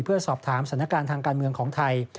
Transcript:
เพื่อสอบถามสถานการณ์ทางการเมืองของไทย